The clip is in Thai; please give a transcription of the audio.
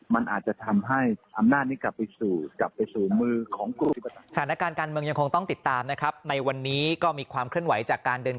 มันอาจจะทำให้อำนาจนี้กลับไปสู่